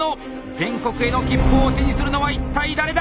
全国への切符を手にするのは一体誰だ？